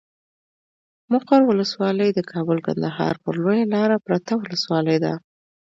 مقر ولسوالي د کابل کندهار پر لويه لاره پرته ولسوالي ده.